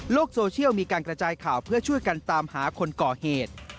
โซเชียลมีการกระจายข่าวเพื่อช่วยกันตามหาคนก่อเหตุ